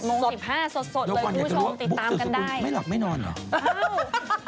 สดเลยทุกผู้ชมติดตามกันได้แล้วก่อนอยากจะรู้ว่าบุ๊กสืบสกุลไม่หลับไม่นอนเหรอ